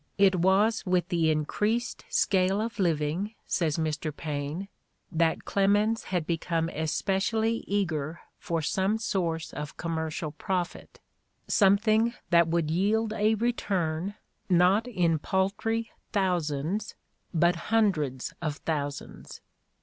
"It was with the increased scale of living," says Mr. Paine, "that Clemens had become especially eager for some source of commercial profit; something that would yield a return, not in paltry thousands, but hun dreds of thousands.